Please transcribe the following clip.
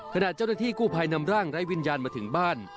ขณะเจ้าหน้าที่กู้ภัยนำร่างไร้วิญญาณมาถึงบ้าน